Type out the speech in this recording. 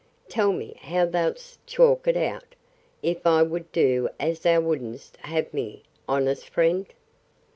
Tell me how thoud'st chalk it out, if I would do as thou would'st have me, honest friend?